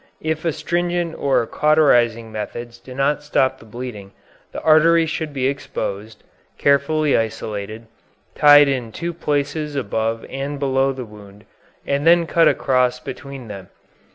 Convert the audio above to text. If astringent or cauterizing methods do not stop the bleeding, the artery should be exposed, carefully isolated, tied in two places above and below the wound, and then cut across between them.